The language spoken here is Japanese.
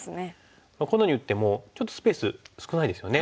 このように打ってもちょっとスペース少ないですよね。